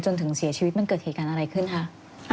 จนถึงเสียชีวิตมันเกิดเหตุการณ์อะไรขึ้นคะ